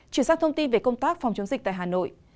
chuyển sang thông tin về công tác phòng chống dịch tại hà nội